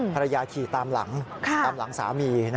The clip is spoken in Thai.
ภรรยาขี่ตามหลังสามี